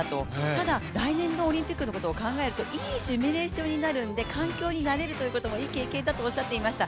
ただ、来年のオリンピックのことを考えるといいシミュレーションになるので、環境に慣れるということもいい経験だとおっしゃっていました。